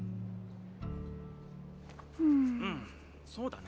うんそうだね。